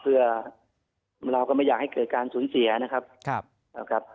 เพื่อเราก็ไม่อยากให้เกิดการสูญเสียนะครับ